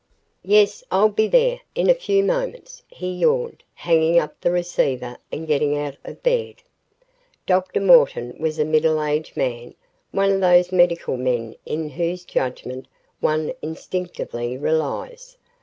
"Yes, I'll be there in a few moments," he yawned, hanging up the receiver and getting out of bed. Dr. Morton was a middle aged man, one of those medical men in whose judgment one instinctively relies.